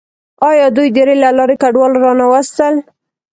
آیا دوی د ریل له لارې کډوال را نه وستل؟